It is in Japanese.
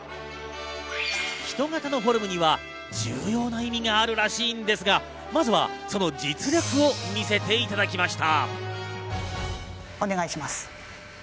人型のフォルムは重要な意味があるらしいんですが、まずはその実力を見せていただきました。